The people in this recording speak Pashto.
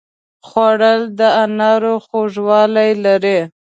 خوړل د انارو خوږوالی لري